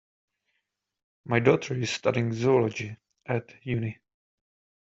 My daughter is studying zoology at uni